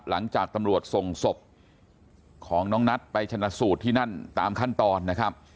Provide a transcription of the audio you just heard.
หลังจากตำรวจส่งศพของน้องนัทไปชนะสูตรที่นั่นตามขั้นตอนนะครับ